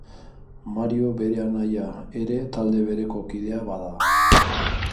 Mario bere anaia ere talde bereko kidea bada.